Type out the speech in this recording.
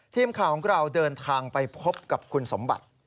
ทีมข่าวของเราเดินทางไปพบกับคุณสมบัติ